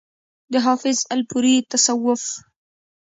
د حافظ الپورئ تصوف